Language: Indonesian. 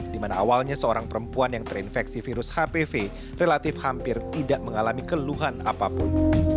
di mana awalnya seorang perempuan yang terinfeksi virus hpv relatif hampir tidak mengalami keluhan apapun